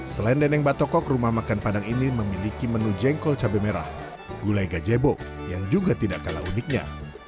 selain dendeng batokok rumah makan padang ini memiliki menu jengkol cabai merah gulai gajebo yang juga tidak kalah uniknya